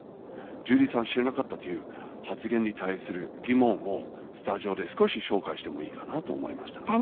ジュリーさん「知らなかった」という発言に対する疑問をスタジオで少し紹介してもいいかなと思いました。